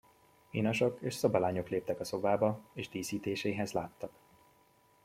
Inasok és szobalányok léptek a szobába, és díszítéséhez láttak.